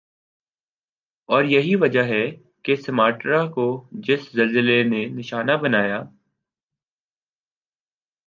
ور یہی وجہ ہی کہ سماٹرا کو جس زلزلی نی نشانہ بنایا